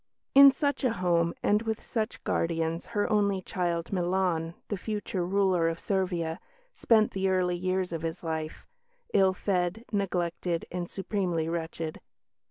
In such a home and with such guardians her only child, Milan, the future ruler of Servia, spent the early years of his life ill fed, neglected, and supremely wretched.